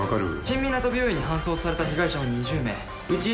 新みなと病院に搬送された被害者は２０名。